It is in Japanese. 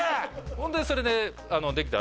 ほんでそれで「できた？」